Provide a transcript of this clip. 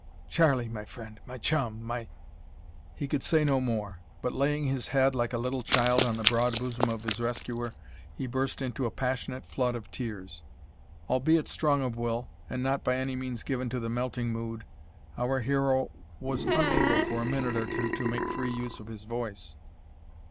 Charlie, my friend my chum my " He could say no more, but, laying his head like a little child on the broad bosom of his rescuer, he burst into a passionate flood of tears. Albeit strong of will, and not by any means given to the melting mood, our hero was unable for a minute or two to make free use of his voice.